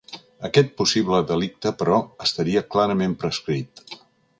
Aquest possible delicte, però, estaria clarament prescrit.